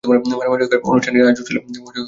অনুষ্ঠানটির আয়োজক ছিল ডি-মানি।